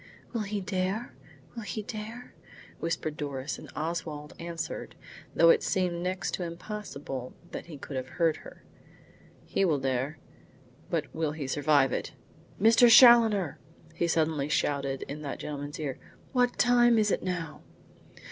"Will he dare? Will he dare?" whispered Doris, and Oswald answered, though it seemed next to impossible that he could have heard her: "He will dare. But will he survive it? Mr. Challoner," he suddenly shouted in that gentleman's ear, "what time is it now?"